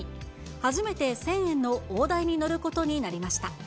初めて１０００円の大台に乗ることになりました。